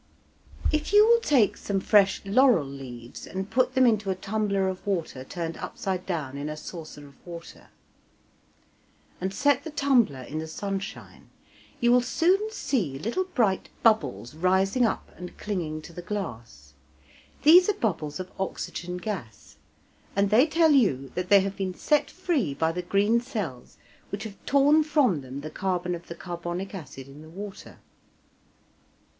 If you will take some fresh laurel leaves and put them into a tumbler of water turned upside down in a saucer of water, and set the tumbler in the sunshine, you will soon see little bright bubbles rising up and clinging to the glass. These are bubbles of oxygen gas, and they tell you that they have been set free by the green cells which have torn from them the carbon of the carbonic acid in the water.